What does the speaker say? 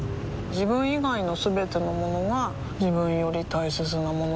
自分以外のすべてのものが自分より大切なものだと思いたい